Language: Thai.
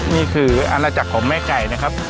นี่คืออาณาจักรของแม่ไก่นะครับ